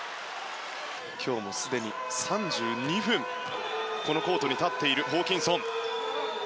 今日もすでに３２分このコートに立っているホーキンソン。